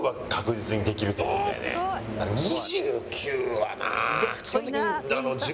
２９はな。